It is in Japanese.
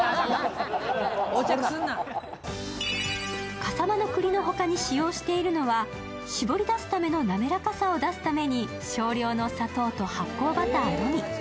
笠間のくりの他に使用しているのは、絞り出すための滑らかさを出すために少量の砂糖と発酵バターのみ。